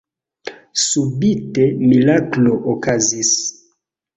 Subite miraklo okazis.